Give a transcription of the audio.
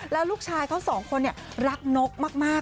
แล้วลูกชายของสองคนเนี่ยรักนกมาก